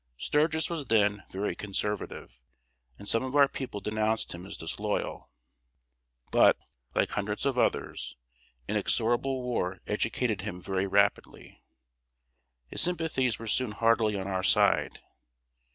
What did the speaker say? Sturgis was then very "conservative," and some of our people denounced him as disloyal. But, like hundreds of others, inexorable war educated him very rapidly. His sympathies were soon heartily on our side.